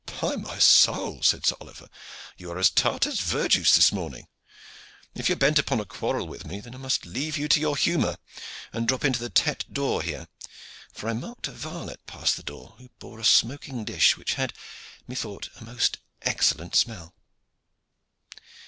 "By my soul," said Sir Oliver, "you are as tart as verjuice this morning! If you are bent upon a quarrel with me I must leave you to your humor and drop into the 'Tete d'Or' here, for I marked a varlet pass the door who bare a smoking dish, which had, methought, a most excellent smell."